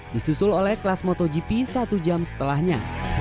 disusul oleh kelas motogp satu jam setelahnya